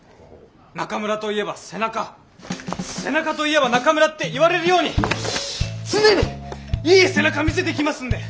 中村といえば背中背中といえば中村って言われるように常にいい背中見せていきますんで！